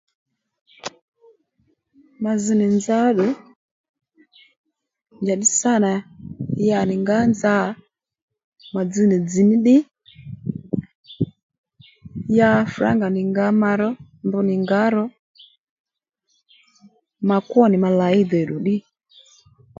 Ma zz nì nza ó ddù njàddí sâ nà ya à nì ngǎ nza ò mà dzz nì dzz̀ ní ddí ya frǎnga nì ngǎ ma ró mbr nì ngǎ ro ma kwó nì ma layí děddù ddí